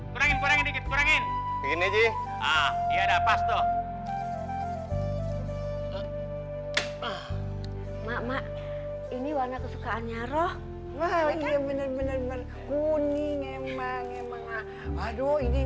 wa barokatan fil jasad